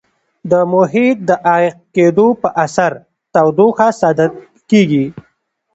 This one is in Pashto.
د محیط د عایق کېدو په اثر تودوخه ساتل کیږي.